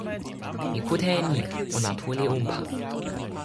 mi kute e ni: ona tu li unpa.